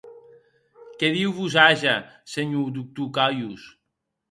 Que Diu vos age, senhor doctor Caius.